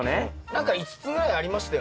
何か５つぐらいありましたよね。